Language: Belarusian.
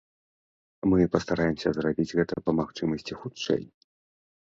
Мы пастараемся зрабіць гэта па магчымасці хутчэй.